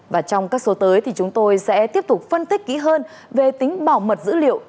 và trong các số tới thì chúng tôi sẽ tiếp tục phân tích kỹ hơn về tính bảo mật dữ liệu